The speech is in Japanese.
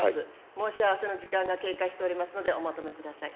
申し合わせの時間が経過しておりますので、おまとめください。